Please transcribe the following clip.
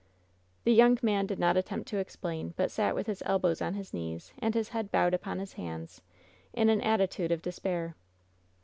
The young man did not attempt to explain, but sat with his elbows on his knees and his head bowed upon his hands, in an attitude of despair.